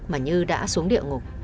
mà như đã xuống địa ngục